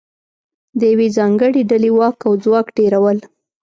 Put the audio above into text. د یوې ځانګړې ډلې واک او ځواک ډېرول